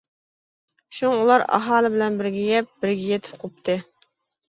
شۇڭا ئۇلار ئاھالە بىلەن بىرگە يەپ، بىرگە يىتىپ قوپتى.